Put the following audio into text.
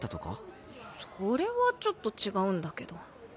それはちょっと違うんだけど。